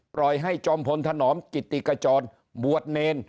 ปล่อยให้จอมพลถนอมกิติกจรบวชเนร